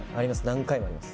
何回もあります